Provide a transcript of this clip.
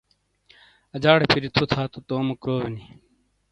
اَجاڑے پھِیری تھُو تھا تو تومو کروئے نی۔